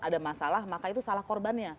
ada masalah maka itu salah korbannya